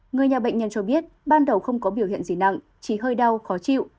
người nhà bệnh nhân cho biết ban đầu không có biểu hiện gì nặng chỉ hơi đau khó chịu